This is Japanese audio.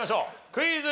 クイズ。